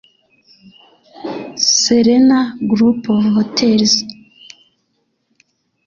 Serena Group of Hotels